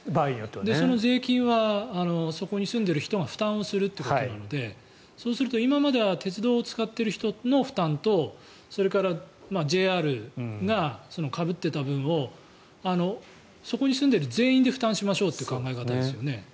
その税金はそこに住んでいる人が負担するということなのでそうすると、今までは鉄道を使っている人の負担とそれからＪＲがかぶってた分をそこに住んでる全員で負担しましょうという考え方ですよね。